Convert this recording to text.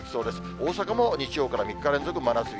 大阪も日曜から３日連続真夏日。